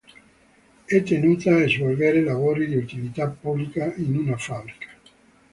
È tenuta a svolgere lavori di utilità pubblica in una fabbrica.